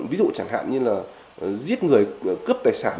ví dụ chẳng hạn như là giết người cướp tài sản